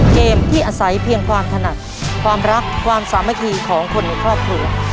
เกมที่อาศัยเพียงความถนัดความรักความสามัคคีของคนในครอบครัว